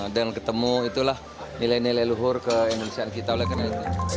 dan ketemu itulah nilai nilai luhur ke indonesia kita oleh ketua dewan pimpinan pusat golkar aceh